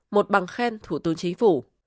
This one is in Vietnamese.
một bằng khen thủ tướng chính phủ